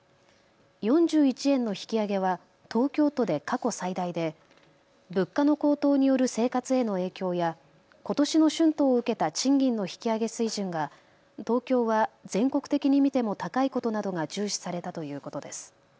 ４１円の引き上げは東京都で過去最大で、物価の高騰による生活への影響やことしの春闘を受けた賃金の引き上げ水準が東京は全国的に見ても高いことなどが重視されたということです。